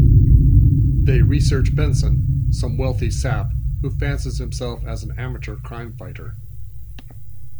They research Benson: some wealthy sap who fancies himself an amateur crime fighter.